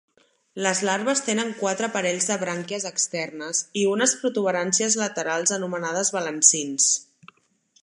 Les larves tenen quatre parells de brànquies externes i unes protuberàncies laterals anomenades balancins.